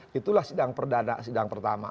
ya itu adalah sidang pertama